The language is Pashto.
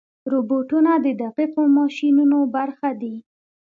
روبوټونه د دقیقو ماشینونو برخه دي.